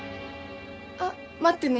あっ待ってね。